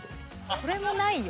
それもないよ。